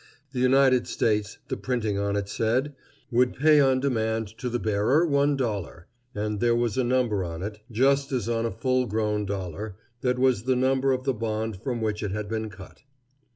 The United States, the printing on it said, would pay on demand to the bearer one dollar; and there was a number on it, just as on a full grown dollar, that was the number of the bond from which it had been cut.